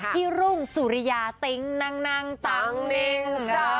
รุ่งสุริยาติ๊งนั่งตังนิ่ง